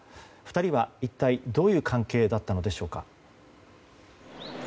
２人は一体どういう関係だったのでしょうか？